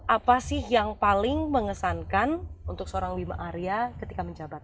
apa sih yang paling mengesankan untuk seorang bima arya ketika menjabat